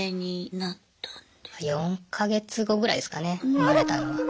４か月後ぐらいですかね生まれたのは。